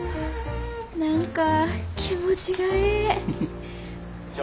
何か気持ちがええ。